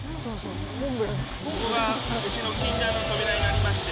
ここがうちの禁断の扉になりまして。